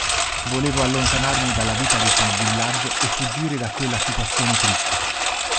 Volevo allontanarmi dalla vita di quel villaggio e fuggire da quella situazione triste.